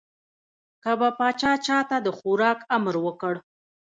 که به پاچا چا ته د خوراک امر وکړ.